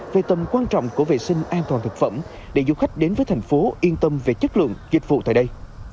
về tầm quan trọng của vệ sinh an toàn thực phẩm để du khách đến với thành phố yên tâm về chất lượng dịch vụ tại đây